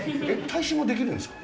耐震もできるんですか。